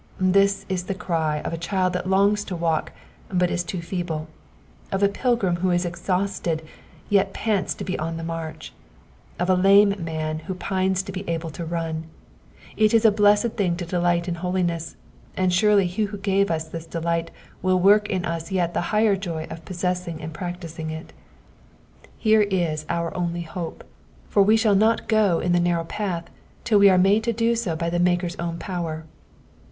This is the cry of a child that longs to walk, but is too feeble ; of a pilgrim who is exhausted, yet pants to be on the march ; of a lame man who pines to be able to run. It IS a blessed thing to delight in holiness, and surely he who gave us this delight will work in us the yet higher joy of possessing and practi^g it. Here is our only hope ; for we shall not go in the narrow path till we are made to do so by the Maker's own power.